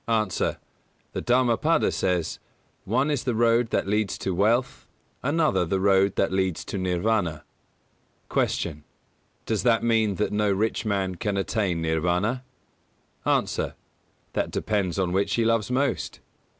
A. The Dhammapada says: "One is the road that leads to wealth, another the road that leads to Nirvāna." 214. Q. Does that mean that no rich man can attain Nirvāna? A. That depends on which he loves most.